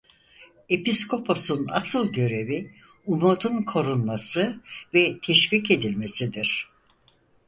Episkoposun asıl görevi umudun korunması ve teşvik edilmesidir.